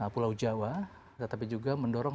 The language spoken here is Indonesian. pulau jawa tetapi juga mendorong